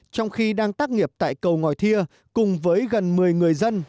trong khi đang tác nghiệp tại cầu ngòi thia cùng với gần một mươi người dân